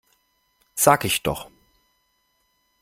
Sag ich doch!